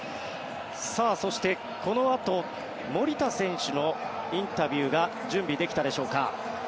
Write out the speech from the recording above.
そしてこのあと守田選手のインタビューが準備できたでしょうか。